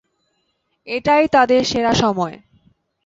এটাই তাদের সেরা সময়।